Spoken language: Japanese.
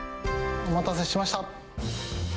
お待たせしました。